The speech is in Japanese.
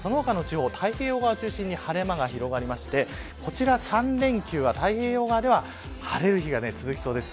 その他の地域は太平洋側を中心に晴れ間が広がってこちら３連休の太平洋側では晴れる日が続きそうです。